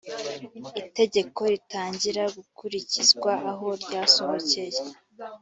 itegeko ritangira gukurikizwa aho ryasohokeye